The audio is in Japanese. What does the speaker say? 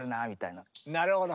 なるほど。